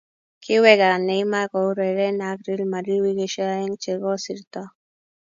kiweeka Neymar koureren ak Real Madrid wikishe oeng che kosirto.